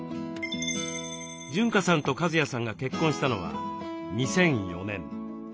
潤香さんと和也さんが結婚したのは２００４年。